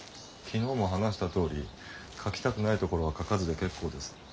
昨日も話したとおり書きたくないところは書かずで結構です。